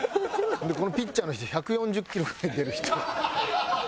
このピッチャーの人１４０キロ投げる人。